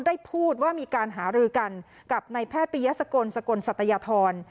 ได้พูดว่ามีการหารือกันกับนายแพทย์ปียสกลสกลสัตยธร